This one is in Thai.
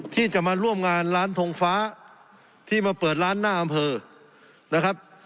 ที่จะมาร่วมงานร้านทงฟ้าที่มาเปิดร้านหน้าอำเภอนะครับ